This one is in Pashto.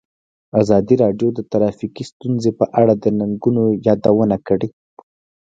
ازادي راډیو د ټرافیکي ستونزې په اړه د ننګونو یادونه کړې.